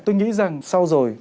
tôi nghĩ rằng sau rồi